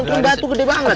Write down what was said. itu batu gede banget